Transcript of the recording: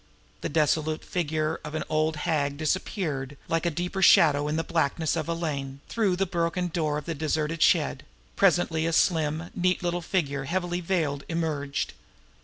The dissolute figure of an old hag disappeared, like a deeper shadow in the blackness of a lane, through the broken door of a deserted shed; presently a slim, neat little figure, heavily veiled, emerged.